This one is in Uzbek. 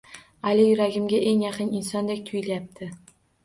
Ali yuragimga eng yaqin insondek tuyulyapti